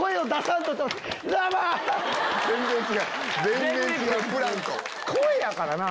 全然違うプランと。